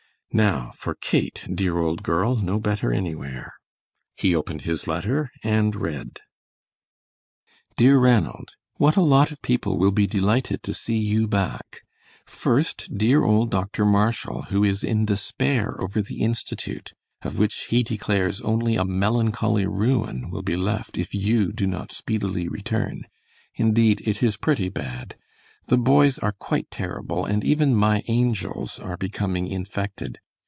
"Now for Kate, dear old girl, no better anywhere." He opened his letter and read: DEAR RANALD: What a lot of people will be delighted to see you back! First, dear old Dr. Marshall, who is in despair over the Institute, of which he declares only a melancholy ruin will be left if you do not speedily return. Indeed, it is pretty bad. The boys are quite terrible, and even my "angels" are becoming infected.